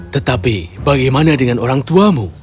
tetapi bagaimana dengan orang tuamu